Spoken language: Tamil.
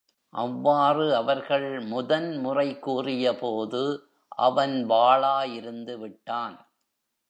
அவ்வாறு அவர்கள் முதன் முறை கூறியபோது அவன் வாளா இருந்து விட்டான்.